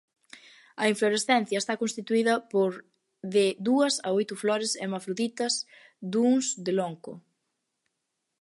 A inflorescencia está constituída por de dúas a oito flores hermafroditas duns de longo.